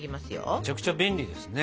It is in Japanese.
めちゃくちゃ便利ですね。